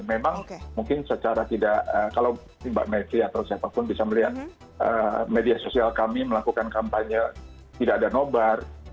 memang mungkin secara tidak kalau mbak mevri atau siapapun bisa melihat media sosial kami melakukan kampanye tidak ada nobar